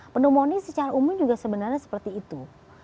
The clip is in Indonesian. pneumonia secara umum juga sebenarnya seperti itu